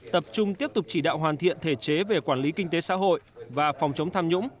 tập trung tiếp tục chỉ đạo hoàn thiện thể chế về quản lý kinh tế xã hội và phòng chống tham nhũng